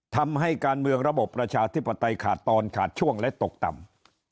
ทำให้การเมืองระบบประชาธิปไตยขาดตอนขาดช่วงและตกต่ำ